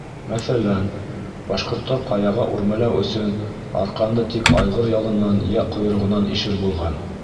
Мәҫәлән, башҡорттар ҡаяға үрмәләү өсөн арҡанды тик айғыр ялынан йә ҡойроғонан ишер булған.